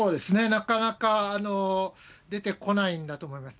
なかなか出てこないんだと思います。